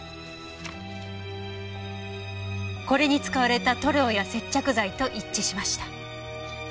これに使われた塗料や接着剤と一致しました。